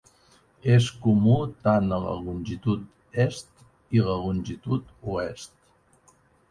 És comú tant a la longitud est i la longitud oest.